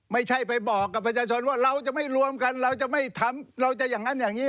ไม่ใช่ไปบอกกับประชาชนว่าเราจะไม่รวมกันเราจะไม่ทำเราจะอย่างนั้นอย่างนี้